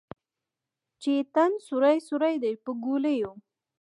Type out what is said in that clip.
چې یې تن سوری سوری دی پر ګولیو